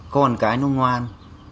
con cái nó ngoan